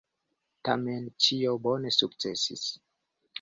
Tamen ĉio bone sukcesis.